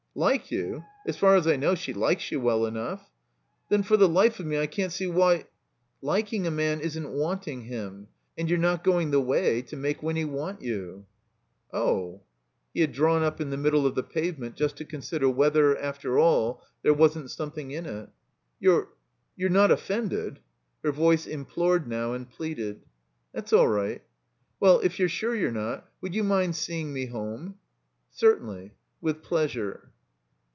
"Like you? As far as I know she likes you well enough." "Then — ^for the life of me I can't see why —"Liking a man isn't wanting him. And you're not going the way to make Winny want you." '«0h— " He had drawn up in the middle of the pavement just to consider whether, after all, there wasn't something mit. "You're — you*Te not offended?" Her voice im plored now and pleaded. 74 THE COMBINED MAZE ^'That's all right." *' Well — ^if you're sure you^re not — ^would you mind seeing me home?" "Certainly. With pleasure."